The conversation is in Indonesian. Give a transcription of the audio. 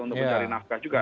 untuk mencari nafkah juga